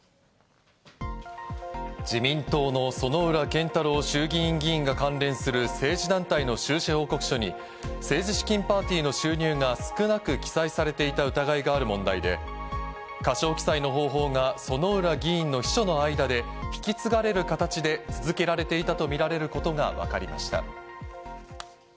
自民党の薗浦健太郎衆議院議員が関連する政治団体の収支報告書に政治資金パーティーの収入が少なく記載されていた疑いがある問題で過少記載の方法が薗浦議員の秘書の間で引き継がれる形で続けられていたとみられることがわかりました。